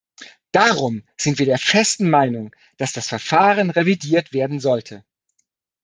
Darum sind wir der festen Meinung, dass das Verfahren revidiert werden sollte.